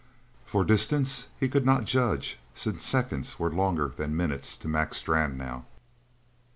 For a distance he could not judge, since seconds were longer than minutes to Mac Strann now.